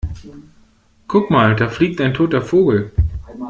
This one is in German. Guck mal, da fliegt ein toter Vogel!